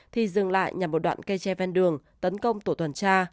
thì dừng lại nhằm một đoạn cây tre ven đường tấn công tổ tuần tra